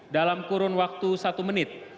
dalam kurun waktu satu menit